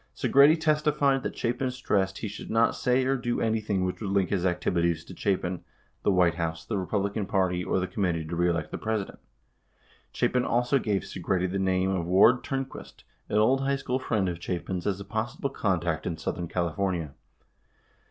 Segretti testified that Chapin stressed he should not say or do anything which would link his activities to Chapin, the White House, the Republican Party, or the Committee To Re Elect the President. Chapin also gave Segretti the name of Ward Turnquist, an old high school friend of Chapin's as a possible contact in southern California.